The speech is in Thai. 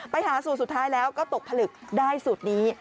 ไปหาสูตรสุดท้ายแล้วก็ตกผลึกได้สูตรนี้